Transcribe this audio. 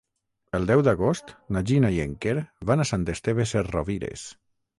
El deu d'agost na Gina i en Quer van a Sant Esteve Sesrovires.